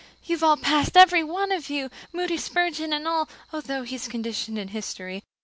You've all passed, every one of you, Moody Spurgeon and all, although he's conditioned in history.